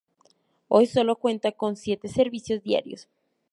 Hoy sólo cuenta con siete servicios diarios.